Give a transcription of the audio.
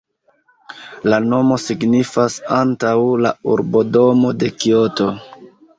La nomo signifas "antaŭ la urbodomo de Kioto".